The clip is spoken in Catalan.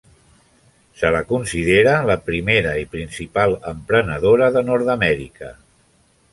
Se la considera la "primera i principal emprenedora" de Nord-amèrica.